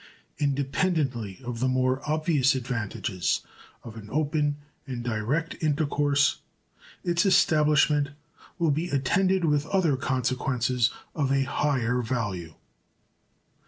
Independently of the more obvious advantages of an open and direct intercourse, its establishment will be attended with other consequences of a higher value.